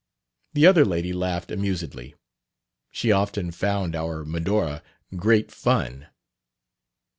The other lady laughed amusedly. She often found our Medora "great fun."